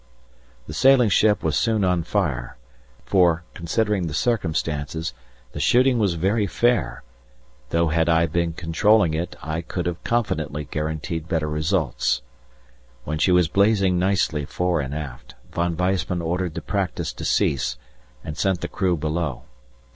The sailing ship was soon on fire, for, considering the circumstances, the shooting was very fair, though had I been controlling it I could have confidently guaranteed better results. When she was blazing nicely fore and aft, Von Weissman ordered the practice to cease, and sent the crew below.